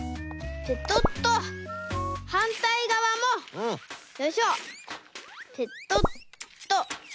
はんたいがわもよいしょペトッと。